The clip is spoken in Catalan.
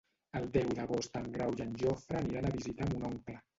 El deu d'agost en Grau i en Jofre aniran a visitar mon oncle.